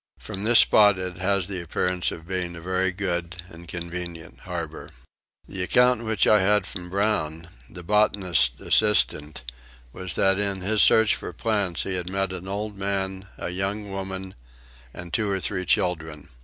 From this spot it has the appearance of being a very good and convenient harbour. The account which I had from Brown, the botanist's assistant, was that in his search for plants he had met an old man, a young woman, and two or three children.